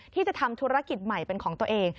ที่จะทำธุรกิจใหม่เป็นของตัวเอง